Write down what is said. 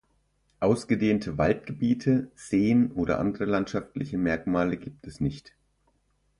Ausgedehnte Waldgebiete, Seen oder andere landschaftliche Merkmale gibt es nicht.